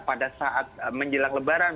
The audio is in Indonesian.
pada saat menjelang lebaran